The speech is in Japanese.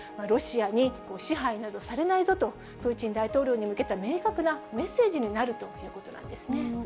ロシアに支配などされないぞと、プーチン大統領に向けた明確なメッセージになるということなんですね。